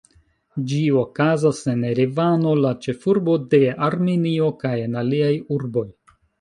Ĝi okazas en Erevano, la ĉefurbo de Armenio, kaj en aliaj urboj.